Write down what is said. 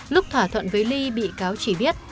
lúc thỏa thuận với lee bị cáo chỉ biết